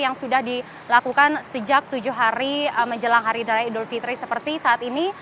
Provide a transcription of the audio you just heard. yang sudah dilakukan sejak tujuh hari menjelang hari raya idul fitri seperti saat ini